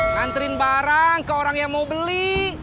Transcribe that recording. nganterin barang ke orang yang mau beli